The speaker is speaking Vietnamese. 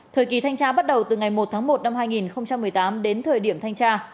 thời kỳ thanh tra bắt đầu từ ngày một tháng một năm hai nghìn một mươi tám đến thời điểm thanh tra